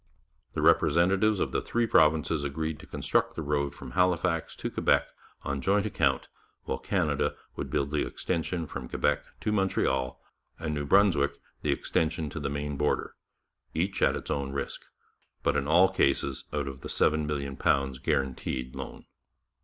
The representatives of the three provinces agreed to construct the road from Halifax to Quebec on joint account, while Canada would build the extension from Quebec to Montreal, and New Brunswick the extension to the Maine border, each at its own risk, but in all cases out of the £7,000,000 guaranteed loan.